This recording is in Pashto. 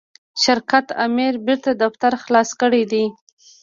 شرکت آمر بیرته دفتر خلاص کړی دی.